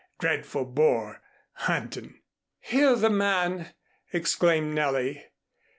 "Dreadful bore, huntin' " "Hear the man!" exclaimed Nellie.